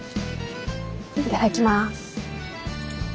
いただきます。